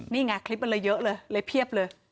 นี่ไงคลิปมันเลยเยอะเลยเลยเพียบเลย